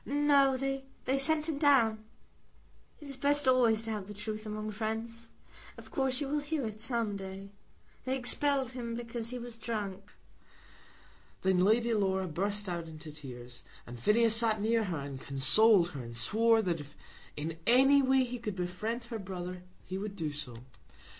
"No; they sent him down. It is best always to have the truth among friends. Of course you will hear it some day. They expelled him because he was drunk." Then Lady Laura burst out into tears, and Phineas sat near her, and consoled her, and swore that if in any way he could befriend her brother he would do so.